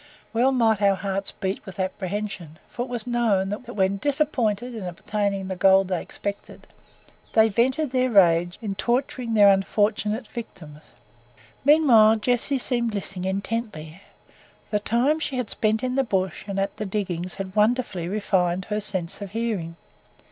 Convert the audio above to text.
Well might our hearts beat with apprehension, for it was known that when disappointed in obtaining the gold they expected, they vented their rage in torturing their unfortunate victims. Meanwhile Jessie seemed listening intently. The time she had spent in the bush and at the diggings had wonderfully refined her sense of hearing.